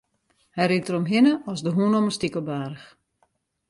Hy rint deromhinne as de hûn om in stikelbaarch.